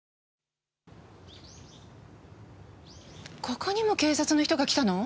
ここにも警察の人が来たの？